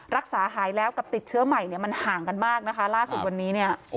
รักษาหายแล้วกับติดเชื้อใหม่เนี่ยมันห่างกันมากนะคะล่าสุดวันนี้เนี่ย